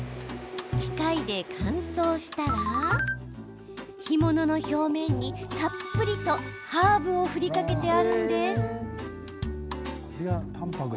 機械で乾燥したら干物の表面に、たっぷりとハーブを振りかけてあるんです。